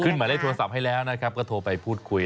หมายเลขโทรศัพท์ให้แล้วนะครับก็โทรไปพูดคุย